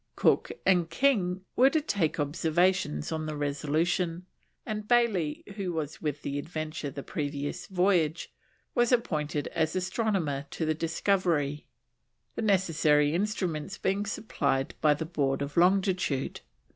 Cook and King were to take observations on the Resolution, and Bailey, who was with the Adventure the previous voyage, was appointed as astronomer to the Discovery; the necessary instruments being supplied by the Board of Longitude.